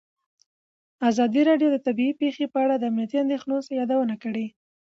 ازادي راډیو د طبیعي پېښې په اړه د امنیتي اندېښنو یادونه کړې.